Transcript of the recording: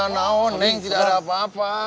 nooning tidak ada apa apa